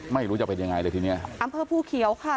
ไม่รู้จะเป็นยังไงเลยทีเนี้ยอำเภอภูเขียวค่ะ